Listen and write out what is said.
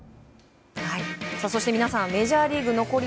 そして皆さんメジャーリーグ残り